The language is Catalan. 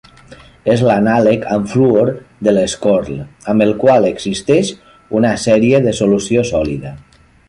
És l'anàleg amb fluor del schorl, amb el qual existeix una sèrie de solució sòlida.